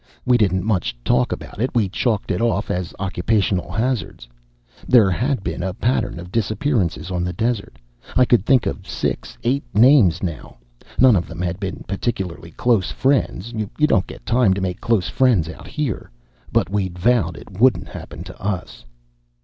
We didn't much talk about it; we chalked it off as occupational hazards. There had been a pattern of disappearances on the desert. I could think of six, eight names now. None of them had been particularly close friends. You don't get time to make close friends out here. But we'd vowed it wouldn't happen to us.